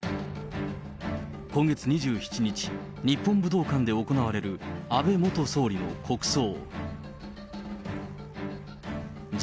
今月２７日、日本武道館で行われる安倍元総理の国葬。